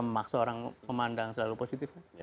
memaksa orang memandang selalu positif